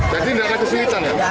jadi tidak ada kesulitan ya